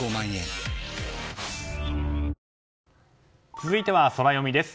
続いてはソラよみです。